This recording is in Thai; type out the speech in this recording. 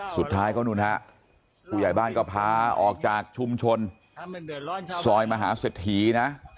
สุดท้ายก็นู่นฮะผู้ใหญ่บ้านก็พาออกจากชุมชนซอยมหาเศรษฐีนะ